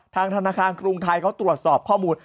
ทางธนาคารกรุงไทยเขาตรวจสอบข้อมูล